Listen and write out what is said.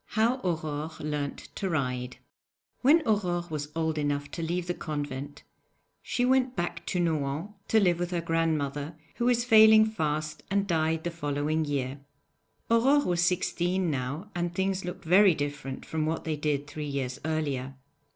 HOW AURORE LEARNT TO RIDE When Aurore was old enough to leave the convent she went back to Nohant to live with her grandmother, who was failing fast and died the following year. Aurore was sixteen now, and things looked very different from what they did three years earlier.